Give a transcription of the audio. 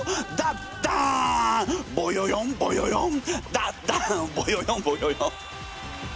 「ダッダーンボヨヨンボヨヨン」！